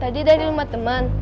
tadi dari rumah temen